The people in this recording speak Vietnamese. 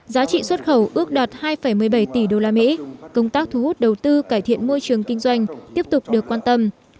giá trị xuất khẩu ước đạt hai một mươi bảy tỷ usd công tác thu hút đầu tư cải thiện môi trường kinh doanh tiếp tục được quan tâm